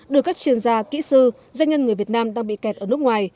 đối với các chuyên gia kỹ sư doanh nhân người việt nam đang bị kẹt ở nước ngoài